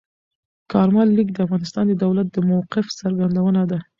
کارمل لیک د افغانستان د دولت د موقف څرګندونه ده.